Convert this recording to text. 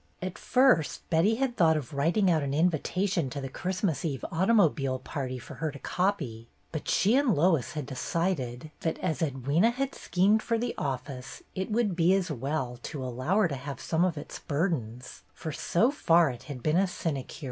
At first Betty had thought of writing out an invitation to the Christmas Eve automobile party for her to copy, but she and Lois had de cided that as Edwyna had schemed for the office it would be as well to allow her to have some of its burdens, for so far it had been a sinecure.